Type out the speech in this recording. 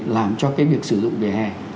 làm cho cái việc sử dụng vỉa hè